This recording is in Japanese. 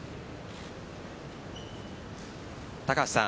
高橋さん